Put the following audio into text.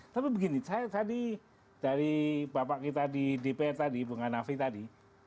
tapi begini saya tadi dari bapak kita di dpr tadi bung hanafi tadi